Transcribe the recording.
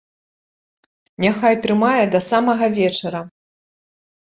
Няхай трымае да самага вечара!